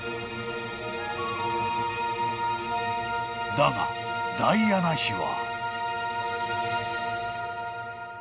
［だがダイアナ妃は］